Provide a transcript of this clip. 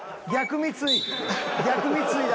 逆三井だ。